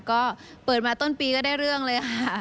ก็เปิดมาต้นปีก็ได้เรื่องเลยค่ะ